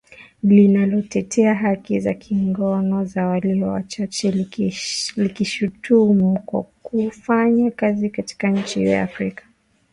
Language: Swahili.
Linalotetea haki za kingono za walio wachache likilishutumu kwa kufanya kazi katika nchi hiyo ya Afrika Mashariki kinyume cha sheria, kwa mujibu wa afisa mwandamizi